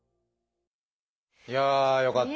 いやあよかった！